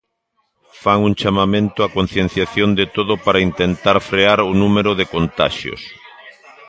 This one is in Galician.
Fan un chamamento a concienciación de todo para intentar frear o número de contaxios.